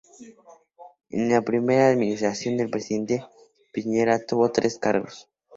En la primera administración del presidente Piñera tuvo tres cargos.